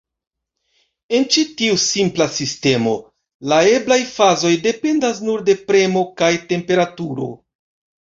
En ĉi tiu simpla sistemo, la eblaj fazoj dependas nur de premo kaj temperaturo.